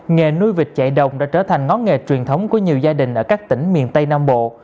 nghề nuôi vịt chạy đồng đã trở thành ngón nghề truyền thống của nhiều gia đình ở các tỉnh miền tây nam bộ